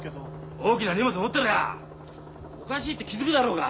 大きな荷物持ってりゃおかしいって気付くだろうが。